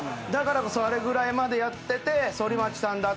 だからこそあれぐらいまでやってて。